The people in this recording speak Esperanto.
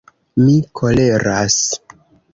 Mi koleras.